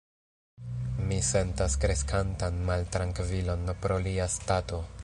Mi sentas kreskantan maltrankvilon pro lia stato.